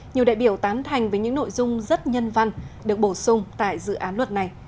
nhiều đại biểu tán thành với những nội dung rất nhân văn được bổ sung tại dự án luật này